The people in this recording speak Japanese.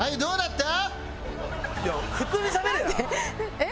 えっ？